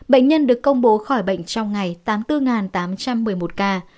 bệnh nhân được công bố khỏi bệnh trong ngày tám mươi bốn tám trăm một mươi một ca